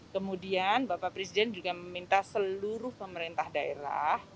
kemudian bapak presiden juga meminta seluruh pemerintah daerah